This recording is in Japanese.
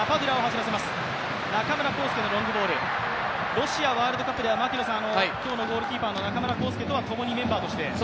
ロシアワールドカップでは今日のゴールキーパーの中村航輔とは共にメンバーとして。